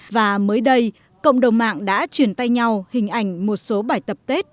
và mới đây cộng đồng mạng đã chuyển tay nhau hình ảnh một số bài tập tết